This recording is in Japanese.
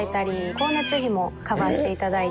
光熱費もカバーしていただいて。